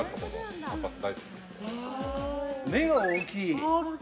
目が大きい。